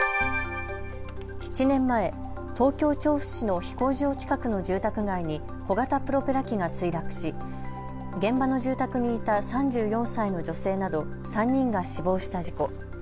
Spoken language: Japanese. ７年前、東京調布市の飛行場近くの住宅街に小型プロペラ機が墜落し現場の住宅にいた３４歳の女性など３人が死亡した事故。